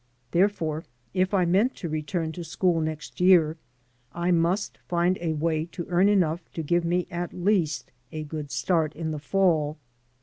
Therefore, if I meant to return to school next year I must find a way to earn enough to give me at least a good start in the fall.